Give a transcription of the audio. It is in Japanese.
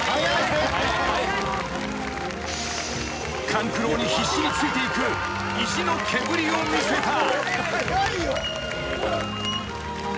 ［勘九郎に必死についていく意地の毛振りを見せた］